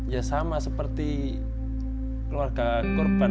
ya sama seperti keluarga korban